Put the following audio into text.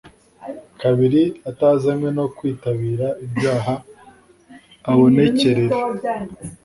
kabiri atazanywe no kwitambira ibyaha abonekerere